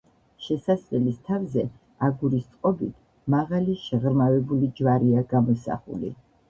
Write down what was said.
შესასვლელის თავზე, აგურის წყობით მაღალი, შეღრმავებული ჯვარია გამოსახული.